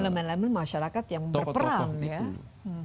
elemen elemen masyarakat yang berperang ya